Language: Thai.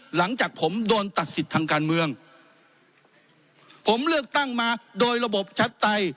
หลังจากผมโดนตัดสิทธิ์ทางการเมืองผมเลือกตั้งมาโดยระบบชัดไตย